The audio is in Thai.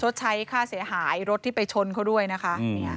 ใช้ค่าเสียหายรถที่ไปชนเขาด้วยนะคะ